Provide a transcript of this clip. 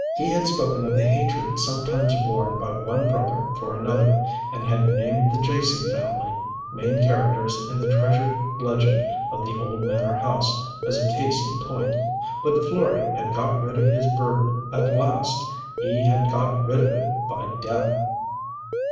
He had spoken of the hatred sometimes borne by one brother for another; and had named the Jason family, main characters in the treasure legend of the old manor house, as a case in point. But Florey had got rid of his burden at last. He had got rid of it by death.